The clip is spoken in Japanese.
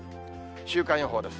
週間予報です。